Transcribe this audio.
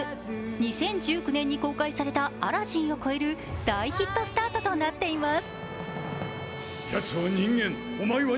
２０１９年に公開された「アラジン」を超える大ヒットスタートとなっています。